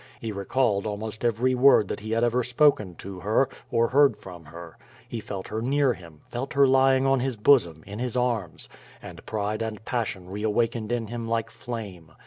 He recalled almost every word that he had ever spoken to her, or heard from her; he felt her near him; felt her lying on his bosom, in his arms; and pride and passion re awakened in him like flame.